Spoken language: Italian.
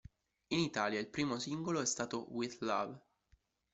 In Italia il primo singolo è stato "With Love".